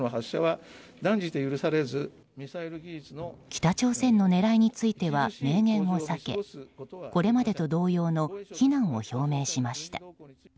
北朝鮮の狙いについては明言を避けこれまでと同様の非難を表明しました。